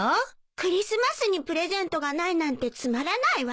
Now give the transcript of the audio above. クリスマスにプレゼントがないなんてつまらないわ。